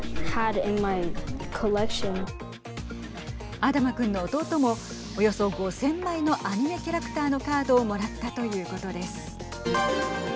アダム君の弟もおよそ５０００枚のアニメキャラクターのカードをもらったということです。